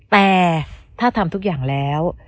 แต่ถ้าทำทุกอย่างแล้ว